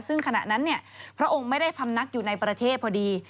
ซึ่งขณะนั้นพระองค์ไม่ได้พำนักอยู่ในประเทศพอดี